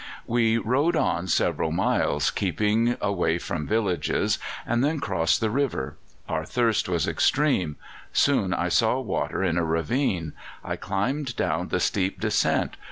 "We rode on several miles, keeping away from villages, and then crossed the river. Our thirst was extreme. Soon I saw water in a ravine. I climbed down the steep descent.